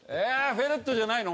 フェレットじゃないの？